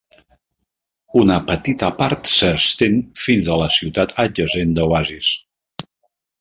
Una petita part s'estén fins a la ciutat adjacent d'Oasis.